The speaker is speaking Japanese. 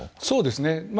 そうですね。